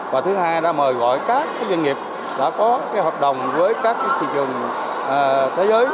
bắc giang đã mời gọi các doanh nghiệp đã có hợp đồng với các thị trường thế giới